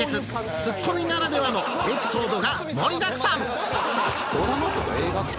ツッコミならではのエピソードが盛りだくさんドラマとか